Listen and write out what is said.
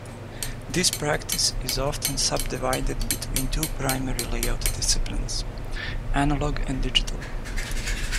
This practice is often subdivided between two primary layout disciplines: Analog and digital.